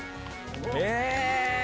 え！